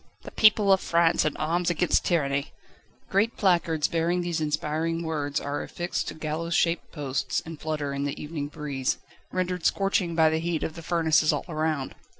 "The people of France in arms against tyranny!" Great placards, bearing these inspiriting words, are affixed to gallows shaped posts, and flutter in the evening breeze, rendered scorching by the heat of the furnaces all around.